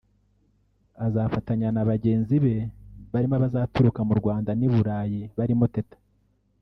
Azafatanya na bagenzi be barimo abazaturuka mu Rwanda n’i Burayi barimo Teta